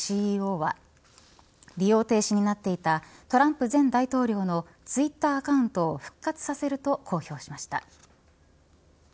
ＣＥＯは利用停止になっていたトランプ前大統領のツイッターアカウントを復活させると公表しました。